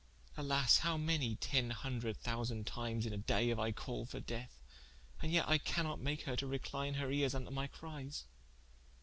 Alas, how many tenne hundred thousande times in a day haue I called for death, and yet I cannot make her to recline her eares vnto my cries.